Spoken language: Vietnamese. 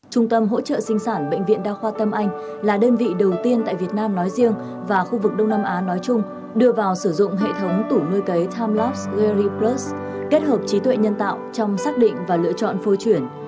trung tâm hỗ trợ sinh sản bệnh viện đa khoa tâm anh là đơn vị đầu tiên tại việt nam nói riêng và khu vực đông nam á nói chung đưa vào sử dụng hệ thống tủ nuôi cấy times lops gery plus kết hợp trí tuệ nhân tạo trong xác định và lựa chọn phôi chuyển